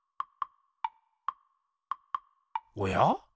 おや？